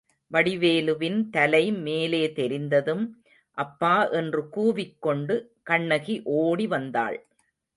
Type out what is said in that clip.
வடிவேலுவின் தலை, மேலே தெரிந்ததும், அப்பா என்று கூவிக்கொண்டு கண்ணகி ஓடி வந்தாள்.